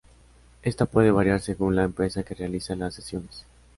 Esta puede variar según la empresa que realiza las sesiones.